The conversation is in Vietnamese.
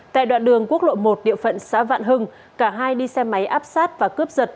tại đoạn đường quốc lộ một địa phận xã vạn hưng cả hai đi xe máy áp sát và cướp giật